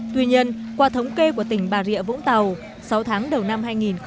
tuy nhiên qua thống kê của tỉnh bà rịa vũng tàu sáu tháng đầu năm hai nghìn một mươi chín